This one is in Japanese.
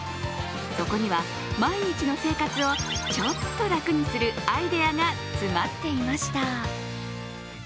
そこには毎日の生活をちょっと楽にするアイデアが詰まっていました。